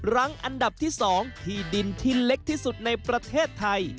รั้งอันดับที่๒ที่ดินที่เล็กที่สุดในประเทศไทย